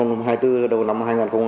đến đầu năm hai nghìn hai mươi năm